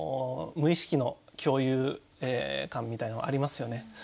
無意識の共有感みたいなのありますよね。